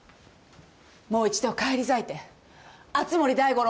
もう一度返り咲いて熱護大五郎